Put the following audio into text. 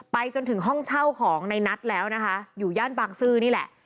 จนถึงห้องเช่าของในนัทแล้วนะคะอยู่ย่านบางซื่อนี่แหละ